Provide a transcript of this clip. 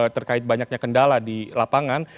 terkait banyaknya kendala di lapangan